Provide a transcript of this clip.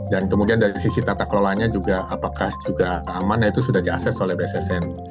dan kemudian dari sisi tata kelolaannya juga apakah juga aman ya itu sudah di assess oleh bssn